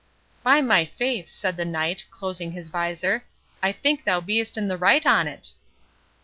"By my faith," said the Knight, closing his visor, "I think thou be'st in the right on't."